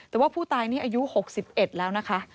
แต่ว่าผู้ตายนี่อายุ๖๑แล้วนะคะ